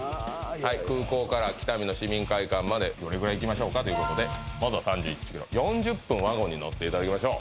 空港から北見の市民会館までどれぐらい行きましょうかということでまずはワゴンに乗っていただきましょう